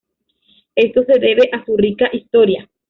Esto se debe a su rica historia.